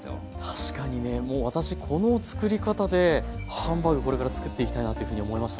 確かにねもう私この作り方でハンバーグこれから作っていきたいなというふうに思いましたね。